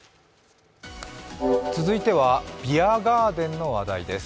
続いてはビアガーデンの話題です。